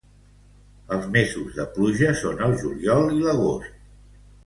Els mesos de pluja són el juliol i l'agost.